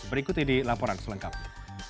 berikut ini laporan selengkapnya